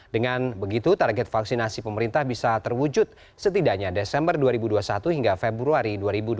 dengan begitu target vaksinasi pemerintah bisa terwujud setidaknya desember dua ribu dua puluh satu hingga februari dua ribu dua puluh